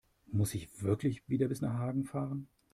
Muss ich wirklich wieder bis nach Hagen fahren?